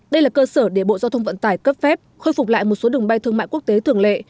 đây là cơ sở để bộ giao thông vận tải cấp phép khôi phục lại một số đường bay thương mại quốc tế thường lệ